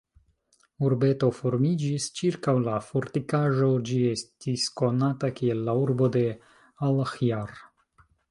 Urbeto formiĝis ĉirkaŭ la fortikaĵo, ĝi estis konata kiel "La urbo de Alahjar".